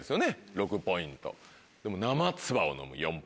６ポイント。